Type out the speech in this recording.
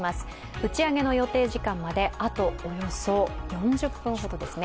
打ち上げの予定時間まであと、およそ４０分ほどですね。